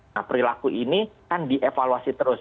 nah perilaku ini kan dievaluasi terus